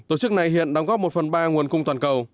tổ chức này hiện đóng góp một phần ba nguồn cung toàn cầu